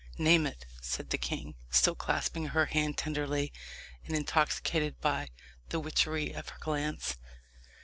"Name it," said the king, still clasping her hand tenderly, and intoxicated by the witchery of her glance.